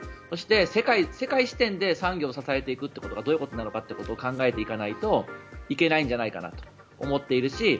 そして、世界視点で産業を支えていくことがどういうことなのかって考えていかないといけないんじゃないかなと思っているし